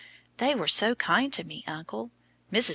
"They were so kind to me, uncle. Mrs.